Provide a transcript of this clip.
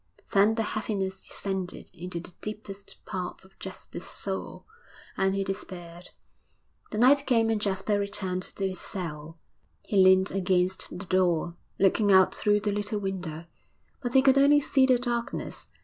Then the heaviness descended into the deepest parts of Jasper's soul, and he despaired. The night came and Jasper returned to his cell.... He leant against the door, looking out through the little window, but he could only see the darkness.